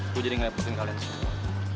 aku jadi ngerepotin kalian semua